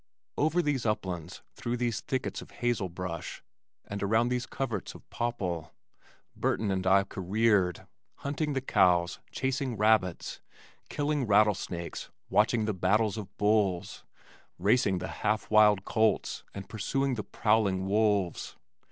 Over these uplands, through these thickets of hazel brush, and around these coverts of popple, Burton and I careered, hunting the cows, chasing rabbits, killing rattlesnakes, watching the battles of bulls, racing the half wild colts and pursuing the prowling wolves.